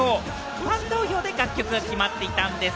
ファン投票で楽曲が決まっていたんでぃす。